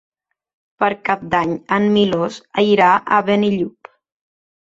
Per Cap d'Any en Milos irà a Benillup.